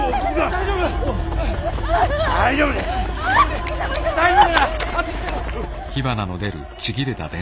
大丈夫大丈夫大丈夫！